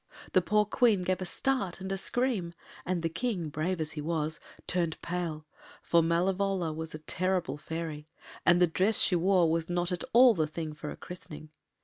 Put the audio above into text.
The poor Queen gave a start and a scream, and the King, brave as he was, turned pale, for Malevola was a terrible fairy, and the dress she wore was not at all the thing for a christening.